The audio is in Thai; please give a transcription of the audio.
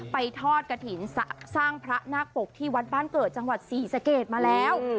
ไปทอดกระถิ่นสร้างพระนาคปกที่วัดบ้านเกิดจังหวัดศรีสะเกดมาแล้ว